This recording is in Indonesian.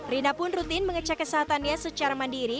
rina pun rutin mengecek kesehatannya secara mandiri